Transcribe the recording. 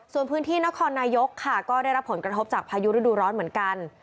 ส่วนพื้นที่นครนายกค่ะก็ได้รับผลกระทบจากพายุฤดูร้อนเหมือนกัน